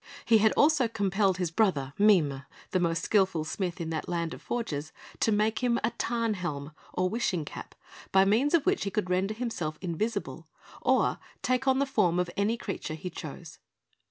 He had also compelled his brother, Mime, the most skillful smith in that land of forges, to make him a Tarnhelm, or wishing cap, by means of which he could render himself invisible, or take on the form of any creature he chose.